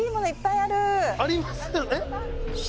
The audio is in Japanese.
「ありますよね」